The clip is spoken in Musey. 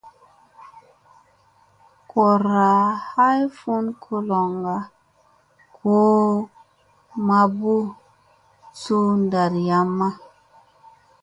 Goora ay fun goloŋga ,goo mambo suu ndariyamma.